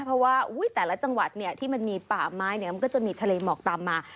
เพราะว่าแต่ละจังหวัดเนี่ยที่มันมีป่าไม้เนี่ยมันก็จะมีทะเลหมอกตามมา